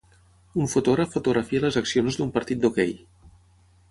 Un fotògraf fotografia les accions d'un partit d'hoquei.